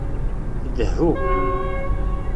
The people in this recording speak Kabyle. Tdehhu.